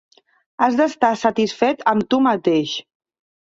Has d'estar satisfet amb tu mateix.